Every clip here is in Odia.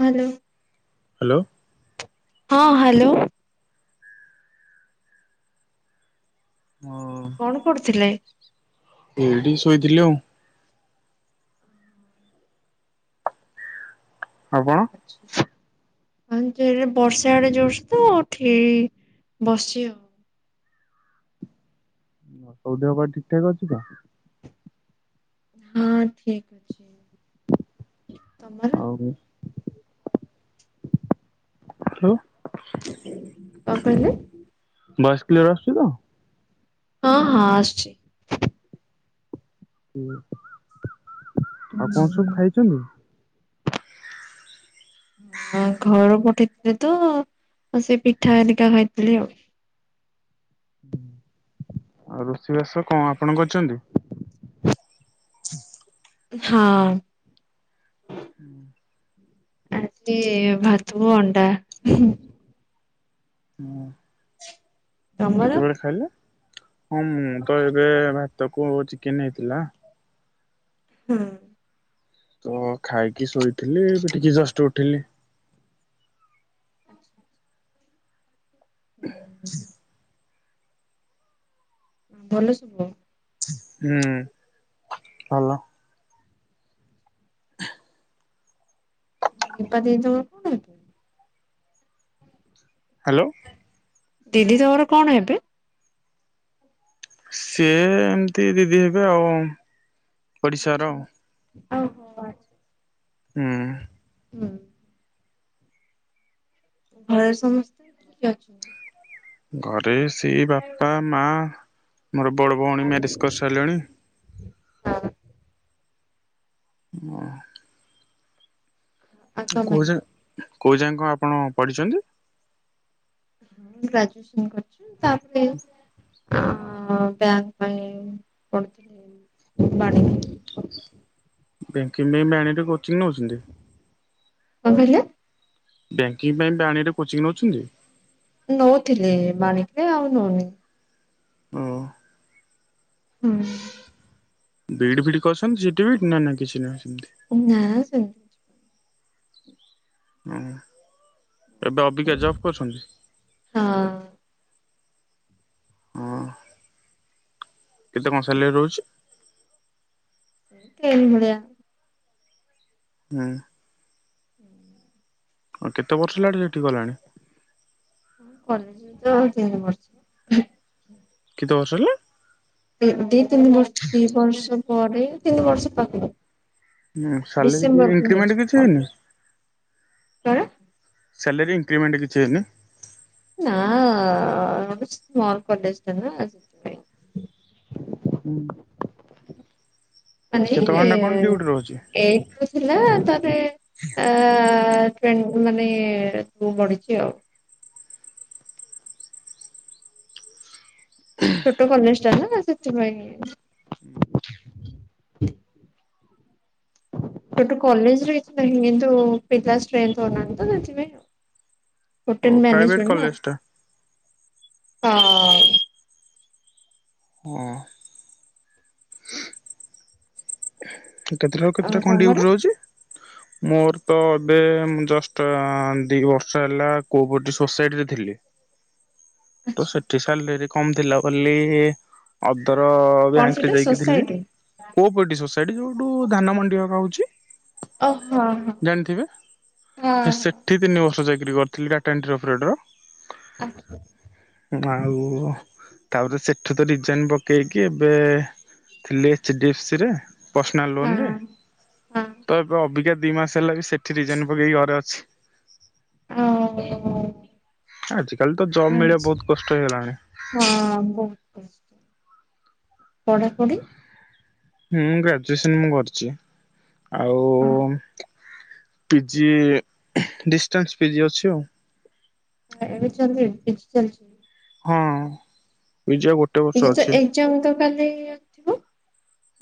ହ୍ୟାଲୋ। ହ୍ୟାଲୋ। ହଁ ହ୍ୟାଲୋ। ହ। କଣ କରୁଥିଲେ? ଏଇଠି ଶୋଇଥିଲି ଆଉ। ଆଉ କଣ? ଆଚ୍ଛା। ହଁ ଜୋରେ ବର୍ଷା ଇଆଡେ ଜୋର ସେ ତ ଉଠି ବସିଚି ଆଉ। ସବୁ ଦେହପା ଠିକ ଠାକ ଅଛି ତ? ହଁ ଠିକ ଅଛି, ତମର? ହଁ। ଆଉ? କଣ କହିଲେ? ଭଏସ କ୍ଲିୟର ଆସୁଛି ତ? ହଁ ହଁ ଆସୁଛି। ଆଉ କଣ ସବୁ ଖାଇଛନ୍ତି? ହଁ ଘର ପଠେଇଥିଲେ ତ ଆଉ ସେ ପିଠା ହେରିକା ଖାଇଥିଲି ଆଉ। ଆଉ ରୋଷେଇ ବାସ କଣ ଆପଣ କରିଚନ୍ତି। ହଁ। ହୁଁ ଆଜି ଭାତବୁ ଅଣ୍ଡା। ହୁଁ। ତମର? କେତେବେଳେ ଖାଇଲେ ହଁ ମୁଁ ତ ଏବେ ଭାତ କୁ ଚିକେନ ହେଇଥିଲା। ହୁଁ। ତ ଖାଇକି ଶୋଇଥିଲି ଟିକେ ଜଷ୍ଟ ଉଠିଲି। ଆଚ୍ଛାଛା ହୁଁ। ଭଲ ସବୁ। ହୁଁ ଭଲ। କିପା ଦେଇ ତମ ହ୍ୟାଲୋ। ଦିଦି ତମର କଣ ହେବେ। ସିଏ ଏମିତି ଦିଦି ହେବେ ଆଉ ଓଡିଶା ର ଓ [unintelligible] ହୁଁ ହୁଁ ଘରେ ସମସ୍ତେ କିଏ ଅଛନ୍ତି? ଘରେ ସଇ ବାପା ମା ମୋର ବଡ଼ ଭଉଣୀ ମ୍ୟାରଜ କରିସାରିଲେଣି ଓ ଆଉ ତମେ କେଉଁ ଯା କେଉଁ ଯାକ ଆପଣ ପଢ଼ିଛନ୍ତି? ଗ୍ରାଜୁଏସନ କରିଛି ତାପରେ ଆ ବ୍ୟାଙ୍କ ପାଇଁ ପଢୁଥିଲି ବାଣ ବ୍ୟାଙ୍କିଙ୍ଗ ପାଇଁ ବାଣୀକରେ କୋଚିଂ ନଉଛନ୍ତି? କଣ କହିଲ? ବ୍ୟାଙ୍କିଙ୍ଗ ପାଇଁ ବାଣିରେ କୋଚିଂ ନେଉଛନ୍ତି? ନଉଥିଲି ବାଣିକରେ ଆଉ ନଉନି। ହଁ ହୁଁ ବିଇଡ ଫିଇଡ କରିଛନ୍ତି ସିଟି ବି ନା ନା କିଛି ନାହିଁ ସେମିତି? ନାଁ ସେ ହ ଏବେ ଅବିକା ଜବ୍ କରୁଛନ୍ତି? ହଁ ହଁ କେତେ କଣ ସାଲାରି ରହୁଛି? ଟେନ ଭଳିଆ। ହୁଁ ହୁଁ କେତେ ବର୍ଷ ହେଲାଣି ସେଠିକି ଗଲାଣି? [unintelligible] ତିନି ବର୍ଷ କେତେ ବର୍ଷ ହେଲା? ଦି ତିନି ବର୍ଷ ଦି ବର୍ଷ ପରେ ତିନି ବର୍ଷ ପାଖାପାଖି ହୁଁ ସାଲେରୀ ଡିସେମ୍ବର କୁ ଇନକ୍ରିମେଣ୍ଟ କିଛି ହେଇନି? ହେଇଯିବ କଣ? ସାଲାରୀ ଇନକ୍ରିମେଣ୍ଟ କିଛି ହେଇନି? ନା ସ୍ମଲ କଲେଜ ଟା ନା ଆ ହୁଁ ମାନେ ଘଣ୍ଟା କଣ ଡ୍ୟୁଟି ରହୁଛି? ଏକ ଥିଲା ତରେ ଅ ମାନେ ତୁ ବଢିଛି ଆଉ ଛୋଟ କଲେଜ ଟା ନା ସେଥିପାଇଁ ଛୋଟ କଲେଜ ରେ କିଛି ନାହିଁ କିନ୍ତୁ ପିଲା ଷ୍ଟ୍ରେନ୍ଥ ହଉନାହାନ୍ତି ତ ସେଥିପାଇଁ ଆଉ। ଓ ହୋଟେଲ ପ୍ରାଇଭେଟ ମ୍ୟାନେଜମେଣ୍ଟ ନା କଲେଜ ଟା। ହ ହଁ କେତେଟା ରୁ କେତେଟା କଣ ଡିଉଟି ରହୁଛି? ହ ମୋର ତ ଏବେ ଜଷ୍ଟ ଦି ବର୍ଷ ହେଲା [unintelligible] ସୋସାଇଟି ରେ ଥିଲି ତ ଆଛା ସେଠି ସାଲାରୀ କମ ଥିଲା ବୋଲି ଅଦର କଣ ବ୍ୟାଙ୍କରେ ସେଟା ଯାଇକି ଥିଲି ସୋସାଇଟି କୋପେଟି ସୋସାଇଟି ଯୋଉ ଧାନ ମଣ୍ଡି ହଉଛି ଅ ହଁ ଜାଣିଥିବେ ହଁ। ହେ ସେଠି ତିନି ବର୍ଷ ଚାକିରି କରିଥିଲି ଟାଟା ଏଣ୍ଟ୍ରି ଅପିରିଏଡ଼ର ଆଚ୍ଛା ଆଉ ତାପରେ ସେଠୁ ତ ଡିଜାଇନ ପକେଇକି ଏବେ ଥିଲି ଏଚ ଡ଼ି ଏଫ ସି ରେ ପର୍ସନାଲ ଲୋନ ହଁ ରେ ହଁ ତ ଏବେ ଅବିକା ଦି ମାସ ହେଲା ବି ସେଠି ରିଜନ ପକେଇକି ଘରେ ଅଛି। ହଁ ହଉ। ଆଜି କା ଆଚ୍ଛା। ହଁ ବହୁତ ପଢ଼ାପଢ଼ି। ହଁ ଗ୍ରାଜୁଏସନ ମୁଁ କରିଛି ହଁ ଆଉ। ପିଜି ଡିଷ୍ଟାନ୍ସ ପିଜି ଅଛି ଆଉ। ହ ଏବେ ଚାଲିବି କିଛି ଚାଲିଛି ହଁ ପଜୟ ଗୋଟେ ବର୍ଷ ଏ ଯେ ତ ଅଛି। ଏକ୍ଜାମ ତ କାଲି ଥିବ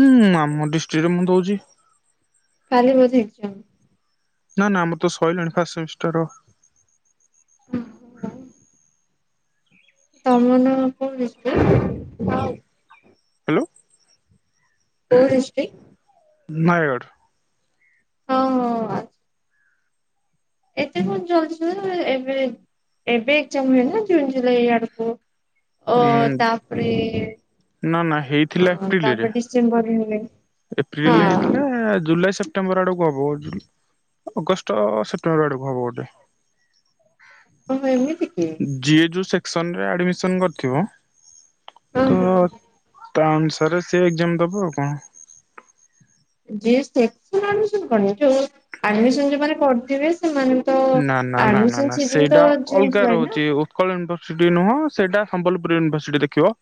ହୁଁ ଆମ ଡିଷ୍ଟ୍ରିକଟ ରେ ମୁଁ ଦଉଛି। କାଲି ବଧେ ଏକ୍ସାମ୍। ନା ନା ଆମର ତ ସରିଲାଣି ଫାଷ୍ଟ ସେମିଷ୍ଟାରର। ଓ ହୋ [unintelligible] ତମ ନାଁ କ [unintelligible] ହ୍ୟାଲୋ। କୋଉ ଡିଶ୍ରିକ୍ଟ। ନୟାଗଡ଼। ହଁ ହଁ ଆ ଏତେ ବତ ଜଳଛ ଏବେ ଏବେ ଏକ୍ସାମ ହ ନା ଜୁନ୍ ଜୁଲାଇ ଆଡ଼କୁ ଓ ଉଁ ତାପରେ। ନା ନା ହେଇଥିଲା ହଁ ଏପ୍ରିଲରେ। [unintelligible] ଏପ୍ରିଲରେ ହଁ ହେଇଥିଲା ଜୁଲାଇ ସେ ସେପ୍ଟେମ୍ବର ଆଡକୁ ହବ ଅଗଷ୍ଟ ସେପ୍ଟେମ୍ବର ଆଡକୁ ହବ ଗୋଟେ। ହଣ ଏମତିତି କି। ଜିଏ ଯେଉଁ ସେକ୍ସନରେ ଆଡ଼ମିସନ୍ କରିଥିବ ତ ଓହୋ। ତା ଅନୁସାରେ ସି ଏକ୍ଜାମ ଦବ ଆଉ କଣ। ଯ ସେସ ଆଡମିନ କରନ ଯୋଉ ଆଡମିସନ ଯୋମାନେ କରିଥିବେ ସେମାନେ ତ ନା ନା ନା ଆଡମିସ ସେଦିନ ତ ନା। ନିରସିଟି ନୁହଁ ସେଇଟା ସମ୍ବଲପୁର ୟୁନିଭରସିଟି ଦେଖିବ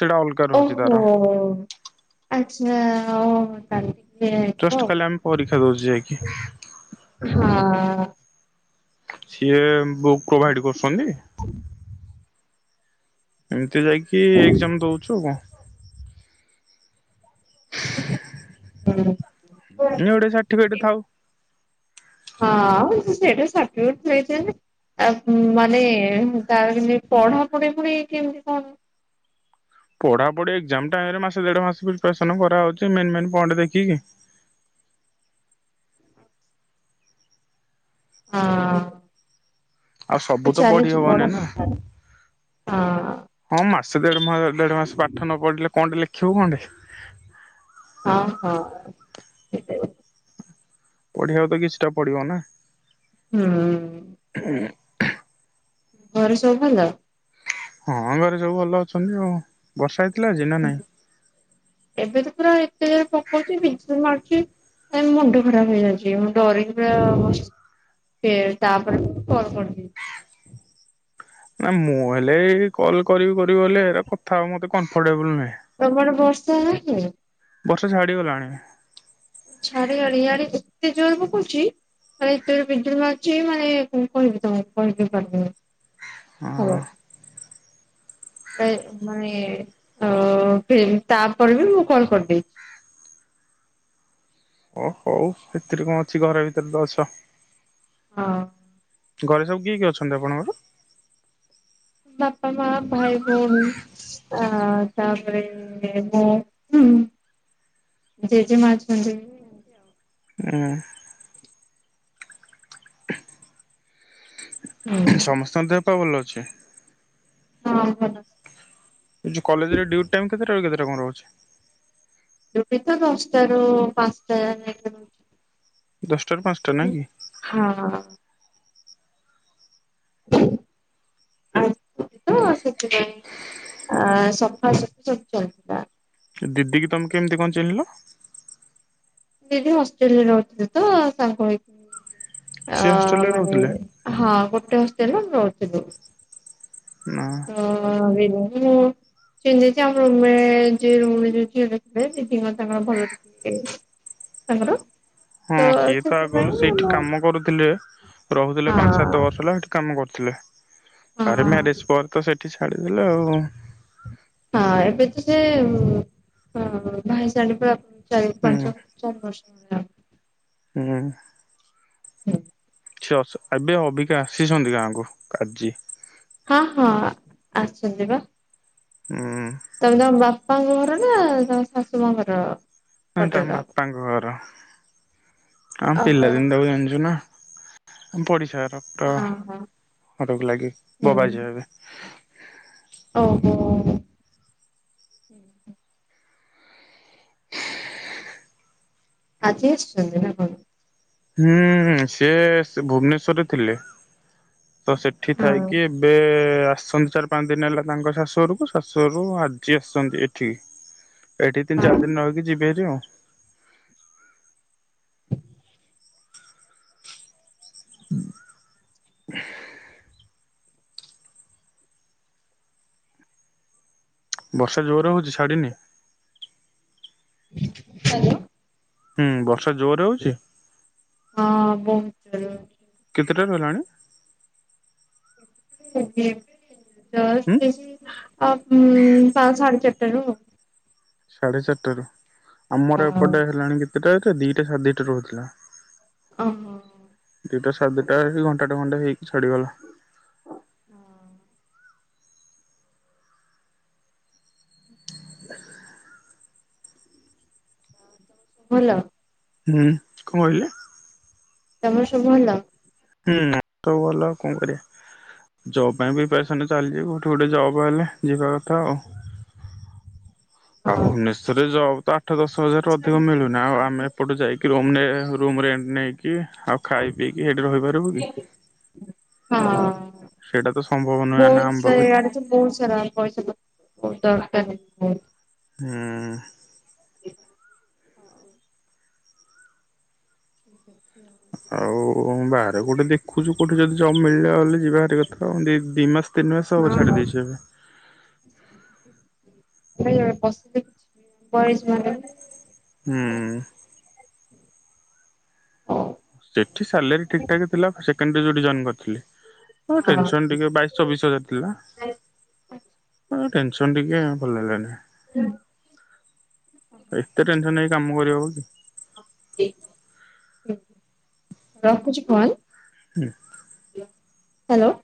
ସେଟା ଅଲଗା ରହୁଛି ଓହୋ ତାର ଆଚ୍ଛା ଓୋ ତା ଫଷ୍ଟ କାଲି ଆମେ ପରୀକ୍ଷା ଦଉୁ ଯାଇକି। ହଁ। ସିଏ ବୁକ୍ ପ୍ରୋଭାଇଡ କରୁଛନ୍ତି। [unintelligible] ଏମିତି ଯାଇକି ଏକ୍ଜାମ ଦଉଛୁ ଆଉ କଣ। ହଁ [unintelligible] ଏମିତି ଗୋଟେ ସାଟିଫିକେଟ୍ ଥାଉ। ହଁ ସେଇଟା ସାଟିଫିକେଟ୍ ଦେଇଥିବେ ମାନେ ତାର ପଢାପଢି ପୁଣି କେମତି କଣ? ପଢ଼ାପଢ଼ି ଏକ୍ଜାମ ଟାଇମ ମାସେ ଦେଢ ମାସ ପ୍ରିପାରେସନ୍ କରାେଉଛି ମେନ୍ ମେନ୍ ପଏଣ୍ଟ ଦେଖିକି। ହଁ। ଆଉ ସବୁ ତ ପଢି ଚାଲିଛି ହବନି ନା। ପଢାପଢି ତାର ହଁ ମାସ ଦେଢ ମାସ ଦେଢ ମାସ ପାଠ ନ ପଢିଲେ କଣ ଟେ ଲେଖିବ କଣଟେ। ହଁ ହଁ ସେ ପଢିବାକୁ ତ କିଛିଟା ପଡିବ ନା। ହୁଁ। ହୁଁ। ଘରେ ସବୁ ଭଲ? ହଁ ଘରେ ସବୁ ଭଲ ଅଛନ୍ତି। ଆଉ ବର୍ଷା ହେଇଥିଲା ଆଜି ନା ନାଇଁ? ଏବେ ତ ପୁରା ଏତେ ଜୋରେ ପକଉଛି ବିଜୁଳି ମାରୁଛି। ନାଇ ମୁଣ୍ଡ ଖରାପ ହେଇଯାଉଛି ମୁଁ ଡରିକି [unintelligible] ତାପରେ ମୁଁ କଲ କରିଥିଲି। ନା ମୁଁ ହେଲେ ଏଇ କଲ୍ କରିବି କରିବି ହେଲେ ଏଟ କଥା ହବ ମତେ କମ୍ଫର୍ଟେବୁଲ ନୁହେଁ। ତମର ବର୍ଷା ହଉଛି? ବର୍ଷା ଛାଡ଼ିଗଲାଣି। ଛାଡି ଆଡି ଇଆଡେ କେତେ ଜୋର ପକଉଛି ମାନେ ଏତେ ଜୋରେ ବିଜୁଳି ମାରୁଛି ମାନେ କଣ କହିବି ତମକୁ କହିିବି ପାରିବିନି ମୁଁ? ହଁ। [unintelligible] ତାପରେ ବି ମୁଁ କଲ କରିଦେଇଛି। ଓ ହଉ ସେଥିରେ କଣ ଅଛି ଘର ଭିତରେ ତ ଅଛ। ହଁ। ଘରେ ସବୁ କିଏ କିଏ ଅଛନ୍ତି ଆପଣଙ୍କର? ବାପା, ମା, ଭାଇ ଭଉଣୀ। ଅ ହଁ ତାପରେ ମୁଁ ହୁଁ ଜେଜେମା ଅଛନ୍ତି। ହୁଁ। ହୁଁ ସମସ୍ତଙ୍କ ଦେହ ପା ଭଲ ଅଛି? ହଁ। କଲେଜ୍‌ରେ ଡ୍ୟୁଇଟ୍ ଟାଇମ୍ କେତେଟାରୁ କେତେଟା କଣ ରହୁଛି? ଏବେତ ଦଶଟାରୁ ପାଞ୍ଚଟା ଯାକେ ରହୁଛି। ଦଶଟାରୁ ପାଞ୍ଚଟା ନା କି? ହଁ। [unintelligible] ତ ସେଥିପାଇଁ ଅଁ ସଫାସଫି ସବୁ ଚାଲିଥିଲା। ଦିଦିକି ତମେ କେମିତି କଣ ଚିହ୍ନିଲ? ଦିଦି ହଷ୍ଟଲରେ ରହୁଥିଲେ ତ ତାଙ୍କ ହେଇକି ସିଏ ଅଁ ହଷ୍ଟେଲରେ ମାନେ ରହୁଥିଲେ? ହଁ ଗୋଟେ ହଷ୍ଟଲରେ ରହୁଥିଲୁ। ହଁ। ହଁ [unintelligible] ଚ [unintelligible] ଆମ ରୁମ ରେ ଯ ରୁମ ରେ ଯୋଉ ଝିଅଟେ ଥିଲେ ଦିଦି ତାଙ୍କର ଭଲ ଟିକେ ତାଙ୍କର ତ ହଁ ସିଏ ତ ଆଗରୁ ସେଥିପାଇଁ ସେଇଠି ମୁଁ କାମ କରୁଥିଲେ ରହୁଥିଲେ ହଁ ପାଞ୍ଚ ସାତ ବର୍ଷ ସେଠି କାମ କରୁଥିଲେ। ତାରେ ହଁ। ମ୍ୟାରେଜ ପରେ ତ ସେଠି ଛାଡିଦେଲେ ଆଉ। ହଁ ଏବେ ତ ସେ ଭାଇସ [unintelligible] ପା ଚାରି ହୁଁ ପାଞ୍ଚ ଚାରି [unintelligible] ହୁଁ ହୁଁ ଛି ଅସୁ ଏବେ ଅବିକା ଆସିଛନ୍ତି ଗାଁକୁ ଆଜି। ହଁ ହଁ ଆସୁଚି ପା। ହୁଁ ତମେ ତମ ବାପାଙ୍କ ଘର ନା ତମ ଶାଶୁ ମାଙ୍କ ଘର? ଆମ ପଟର? ବାପାଙ୍କ ଘର ଆମ ଓହୋ ପିଲାଦିନଟାକୁ ଜାଣିଚୁନା। ପଡିଶା ଘର ତ ହଁ ହଁ ଅଟକୁ ଲାଗି ହୁଁ ବବା ଝିଅ ହେବେ। ଓହୋ ଆଜି ଆସିଛନ୍ତି ନା କଣ? ହୁଁ ସିଏ ଭୁବନେଶ୍ଵରରେ ଥିଲେ। ତ ସେଠି ହଁ ଥାଇକି ଏବେ ଆସିଚନ୍ତି ଚାର ପାଞ୍ଚଦିନ ଦିନି ହେଲା ତାଙ୍କ ଶାଶୁଘରକୁ ଶାଶୁଘରୁ ଆଜି ଆସିଚନ୍ତି ଏଠିକି ଏଇଠି ତିନି ହଁ ଚାର ଦିନ ରହିକି ଯିବ ହେରି ଆଉ। ବର୍ଷା ଜୋରେ ହେଉଚି ଛାଡ଼ିନି। ହ୍ୟାଲୋ। ହୁଁ ବର୍ଷା ଜୋରେ ହଉଚି? ହଁ ବହୁତ୍ ଜୋରେ କେତେଟାରୁ ହେଲାଣି? ଜୋରେ ସାଢେ ହୁଁ? ଚାଟାରୁ ଆଉ। ସାଢେ ଚାରିଟା ରୁ ଆମର ଆଉ। ଏପଟେ ହେଲାଣି କେତେଟା ଦିଟା ସାଢ଼େ ଦିଟା ରହୁଥିଲା। ଓହୋ ହଁ ଦିଟା ସାଢେଦିଇଟା ଘଣ୍ଟାଟେ ଘଣ୍ଟା ହେଇକି ଛଡିଗଲା। ଭଲ। ହୁଁ କଣ କହିଲେ? ତମର ସବୁ ଭଲ? ହୁଁ ସବୁ ଭଲ କଣ କରିବା। ଜବାବି ପ୍ରିପସନ ଚାଲିଚି କୋଉଠି ଗୋଟେ ଜବ୍ ହେଲେ ଯିବା ଆଉ ହଁ। ଭୁବନେଶ୍ଵରରେ ଜବ୍ ଆଠ ଦଶ ହଜାର ରୁ ଅଧିକ ମିଳୁନି। ନା ଆଉ ଆମେ ଏପଟୁ ଯାଇକି ରୁମ୍ ରୁମ୍ ରେଣ୍ଟ ନେଇକି ଆଉ ଖାଇ ପିଇକି ସେଇଠି ରହିବା ହଁ ସେଟା ତ ସମ୍ଭବ ନୁହେଁ ନା ଆମ ପାଖେ ଆଜି ବହୁତ୍ ସରା ପଇସା ପତ୍ର ଦରକାର ବୋହୂତ୍ ହୁଁ। ଆଉ ବାହାରେ ଗୋଟେ ଦେଖୁଚୁ କୋଉଠି ଯଦି ଜବ୍ ମିଳିଲା ହେଲେ ଯିବା ହାରି କଥା ଦି ଦି ମାସ ତିନି ମାସେ ହବ ଛାଡ଼ି ଦେଇଚି ଏବେ। [unintelligible] ହୁଁ। ସେଠି ସାଲେରୀ ଠିକ୍ ଠାକ୍ ଥିଲା ସେକେଣ୍ଡରେ ଯୋଉଠି ଜଏନ୍ କରିଥିଲି ଟେନସନ୍ ଟିକିଏ ବାଇ ଚବିଶ ହଜାର ଥିଲା ଟେନସନ୍ ଟିକେ ଭଲ ଲାଗିଲାନି। ଏତେ ଟେନସନ୍ ହେଇକି କାମ କରି ହବକି? ରଖୁଛି କଲ। ହୁଁ ହ୍ୟାଲୋ।